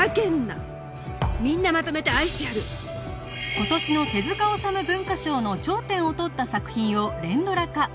今年の手治虫文化賞の頂点を取った作品を連ドラ化